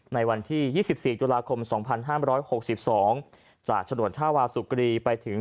ในวันที่๒๔จุฬาคมสองพันห้ามร้อยหกสิบสองจากถ้าวาสุกรีไปถึง